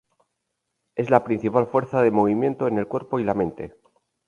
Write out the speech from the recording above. Es la principal fuerza de movimiento en el cuerpo y la mente.